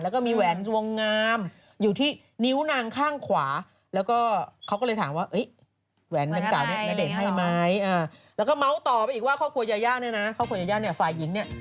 แล้วก็เม้าท์ต่อไปอีกว่าข้อสถานการณ์เกาะคัวร์ยาย่าฝ่ายหญิงเนี่ย